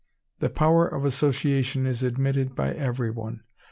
The power of Association is admitted by everyone.